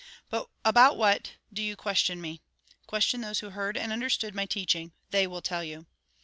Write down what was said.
But about what do you question me ? Question those who heard and understood my teaching. They will tell you."